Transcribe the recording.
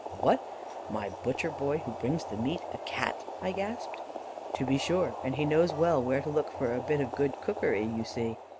"'What! My butcher boy who brings the meat a Cat?' I gasped. "'To be sure, and he knows well where to look for a bit of good cookery, you see.